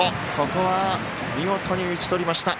ここは見事に打ち取りました。